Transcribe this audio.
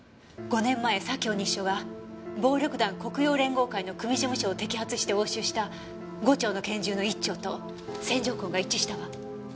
５年前左京西署が暴力団黒洋連合会の組事務所を摘発して押収した５丁の拳銃の１丁と線条痕が一致したわ。